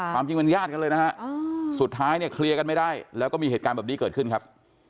ความจริงเป็นญาติกันเลยนะฮะสุดท้ายเนี่ยเคลียร์กันไม่ได้แล้วก็มีเหตุการณ์แบบนี้เกิดขึ้นครับ